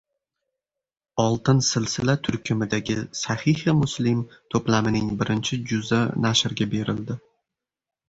"Oltin silsila" turkumidagi "Sahihi Muslim" to‘plamining birinchi juzi nashrga berildi